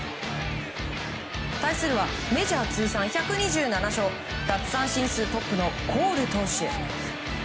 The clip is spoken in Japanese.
対するはメジャー通算１２７勝奪三振数トップのコール投手。